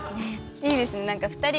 いいですね。